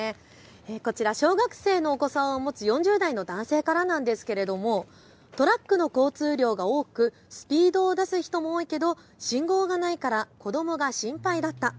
こちら小学生のお子さんを持つ４０代の男性からなんですがトラックの交通量が多くスピードを出す人も多いけど、信号がないから子どもが心配だった。